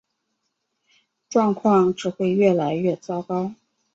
状况只会越来越糟糕